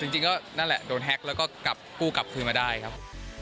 จริงก็นั่นแหละโดนแฮ็กแล้วก็กลับกู้กลับคืนมาได้ครับ